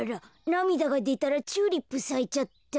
なみだがでたらチューリップさいちゃった。